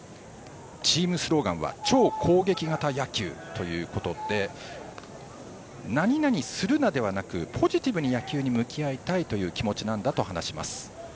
チームスローガンは超攻撃型野球ということで何々するなではなくポジティブに野球に向き合いたいという気持ちなんだと話します。